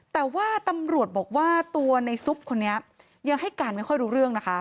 แต่ว่าตำรวจบอกว่าตัวในซุปคนนี้ยังให้การไม่ค่อยรู้เรื่องนะคะ